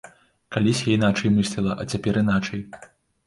Калісь я іначай мысліла, а цяпер іначай.